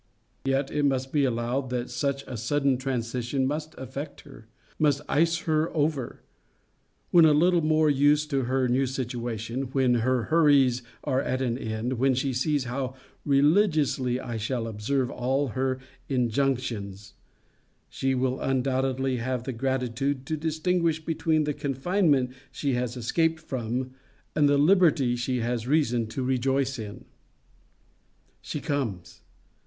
Yet, it must be allowed, that such a sudden transition must affect her; must ice her over. When a little more used to her new situation; when her hurries are at an end; when she sees how religiously I shall observe all her INJUNCTIONS; she will undoubtedly have the gratitude to distinguish between the confinement she has escaped from, and the liberty she has reason to rejoice in. She comes!